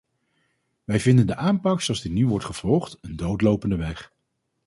Wij vinden de aanpak zoals die nu wordt gevolgd een doodlopende weg.